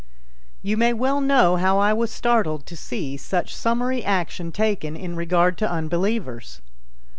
You may well know how I was startled to see such summary action taken in regard to unbelievers.